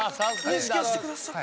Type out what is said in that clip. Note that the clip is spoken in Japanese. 認識はしてくださって？